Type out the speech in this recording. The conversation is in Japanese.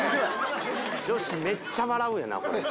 女子めっちゃ笑うよな。